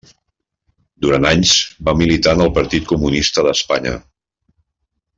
Durant anys va militar en el Partit Comunista d'Espanya.